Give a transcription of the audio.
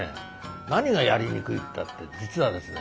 何がやりにくいったって実はですね